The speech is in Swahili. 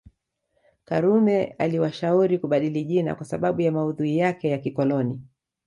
Karume aliwashauri kubadili jina kwa sababu ya maudhui yake ya kikoloni